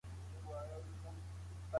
ښه دوست تل وفادار وي